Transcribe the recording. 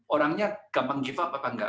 orangnya gampang menyerah atau enggak